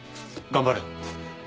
頑張れ。